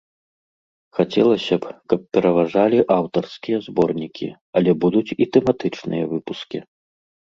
Хацелася б, каб пераважалі аўтарскія зборнікі, але будуць і тэматычныя выпускі.